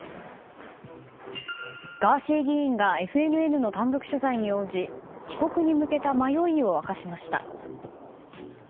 ガーシー議員がＦＮＮの単独取材に応じ帰国に向けた迷いを明かしました。